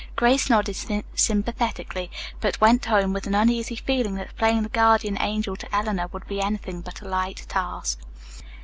Grace nodded sympathetically, but went home with an uneasy feeling that playing the guardian angel to Eleanor would be anything but a light task.